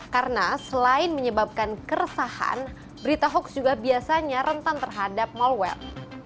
karena selain menyebabkan keresahan berita hoax juga biasanya rentan terhadap malware